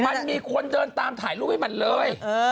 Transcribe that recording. มันมีคนเดินตามถ่ายรูปให้มันเลย